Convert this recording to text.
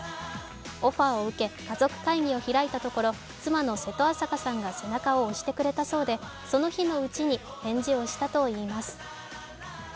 オファーを受け家族会議を開いたところ妻の瀬戸朝香さんが背中を押してくれたそうで、その日のうちに返事をしたといいます。